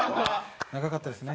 長かったですね。